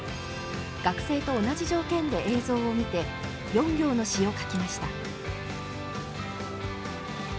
学生と同じ条件で映像を見て４行の詩を書きました。